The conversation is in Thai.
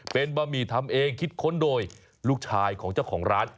เป็นบะหมี่ทำเองคิดค้นโดยลูกชายของเจ้าของร้าน